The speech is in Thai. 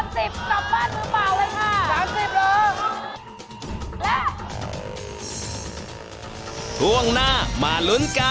๓๐จบบ้านหรือเปล่าเลยค่ะ